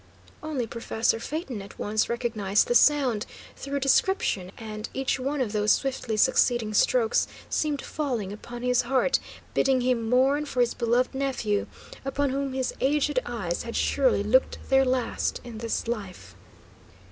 Only Professor Phaeton at once recognised the sound, through description, and each one of those swiftly succeeding strokes seemed falling upon his heart, bidding him mourn for his beloved nephew, upon whom his aged eyes had surely looked their last in this life!